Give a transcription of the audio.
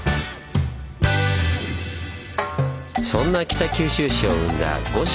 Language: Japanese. そんな北九州市を生んだ五市